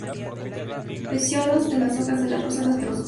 Pecíolos de las hojas de la roseta pelosos.